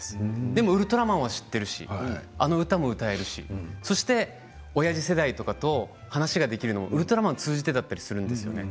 でも「ウルトラマン」は知っているしあの歌は歌えるしそして親世代と話ができるのも「ウルトラマン」を通じてだったんですね。